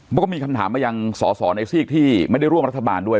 มันก็มีคำถามมายังสอสอในซีกที่ไม่ได้ร่วมรัฐบาลด้วย